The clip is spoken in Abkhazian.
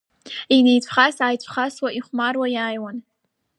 Инеицәхас-ааицәхасуа, ихәмаруа иаауан.